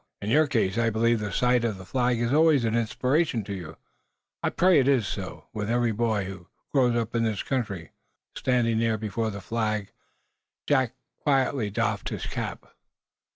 In your case, I believe the sight of the Flag is always an inspiration to you. I pray it is so with every boy who grows up in this country. But is it?" Standing there before the Flag, Jack quietly doffed his cap.